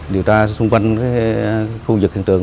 điều tra xung quanh cái khu vực hiện trường